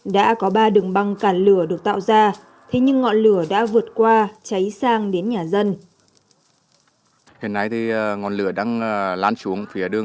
đã có ba đường băng cản lửa được tạo ra thế nhưng ngọn lửa đã vượt qua cháy sang đến nhà dân